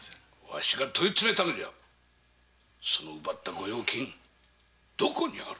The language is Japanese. ワシが問い詰めたのじゃ奪った御用金はどこにある？